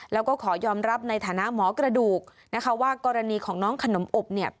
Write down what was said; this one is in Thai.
แล้วก็ขอยอมรับในฐานะหมอกระดูกนะคะว่ากรณีของน้องขนมอบเนี่ย